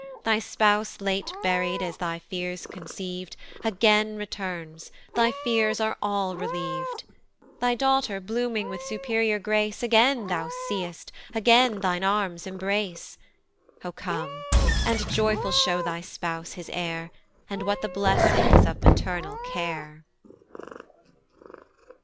Thy spouse late buried, as thy fears conceiv'd, Again returns, thy fears are all reliev'd: Thy daughter blooming with superior grace Again thou see'st, again thine arms embrace; O come, and joyful show thy spouse his heir, And what the blessings of maternal care!